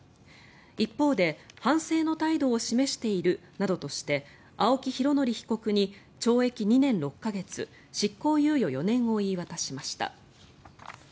一方で反省の態度を示しているなどとして青木拡憲被告に懲役２年６か月、執行猶予４年を言い渡しました。